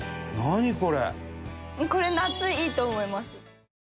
これ夏いいと思います。